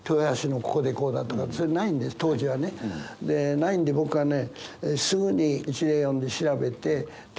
ないんで僕はね